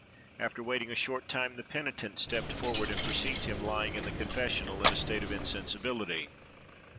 After waiting a short time, the penitent stepped forward and perceived him lying in the confessional in a state of insensibility.